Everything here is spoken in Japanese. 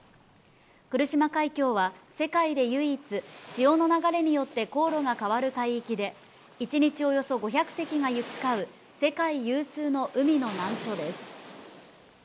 来島海峡は世界で唯一、潮の流れによって航路が変わる海域で、一日およそ５００隻が行き交う世界有数の海の難所です。